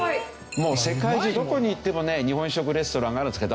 もう世界中どこに行ってもね日本食レストランがあるんですけど。